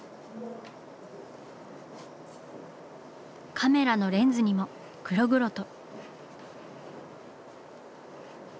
カメラのレンズにも黒々と。